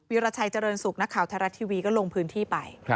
ราชัยเจริญสุขนักข่าวไทยรัฐทีวีก็ลงพื้นที่ไป